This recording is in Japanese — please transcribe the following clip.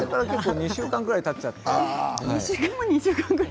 ２週間ぐらいたってしまって。